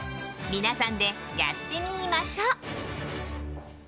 皆さんでやってみましょう！